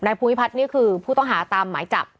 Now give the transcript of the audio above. ภูวิพัฒน์นี่คือผู้ต้องหาตามหมายจับ